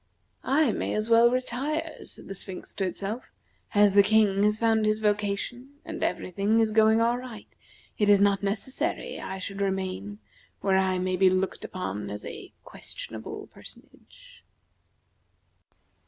"I may as well retire," said the Sphinx to itself. "As the King has found his vocation and every thing is going all right it is not necessary I should remain where I may be looked upon as a questionable personage."